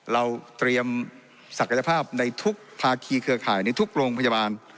เราเตรียมศักยภาพในทุกภาคีเครือข่ายในทุกโรงพยาบาล